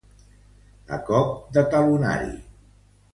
A cop de talonari.